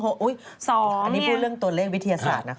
อันนี้พูดเรื่องตัวเลขวิทยาศาสตร์นะคะ